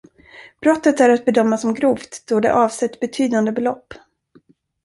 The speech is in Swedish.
Brottet är att bedöma som grovt då det avsett betydande belopp.